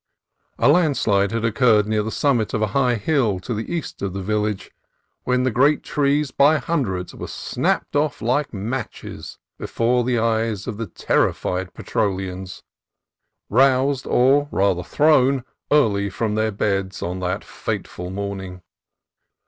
A landslide had occurred near the summit of a high hill to the east of the village, when the great trees by hundreds were snapped off like matches before the eyes of the terrified Petrolians, roused, or rather, thrown, early from their beds on that fateful morning.